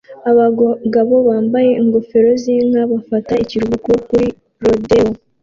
Abagabo bambaye ingofero z'inka bafata ikiruhuko kuri rodeo